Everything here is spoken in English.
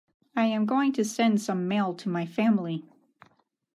I am going to send some mail to my family.